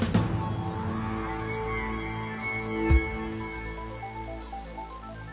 จะทำอะไรกัน